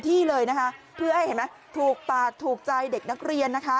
เติมได้